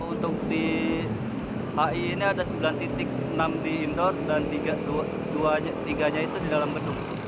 untuk di hi ini ada sembilan enam di indoor dan tiga nya itu di dalam gedung